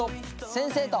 先生と。